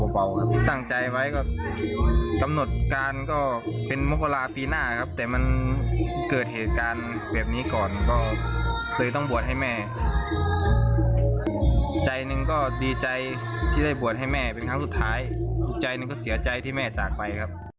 พุกพบทุกชาติไป